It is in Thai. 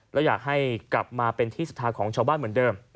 แล้วอยากให้กลับมาเป็นที่ศรัทธาของชาวบ้านเหมือนเดิม